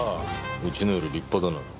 うちのより立派だな。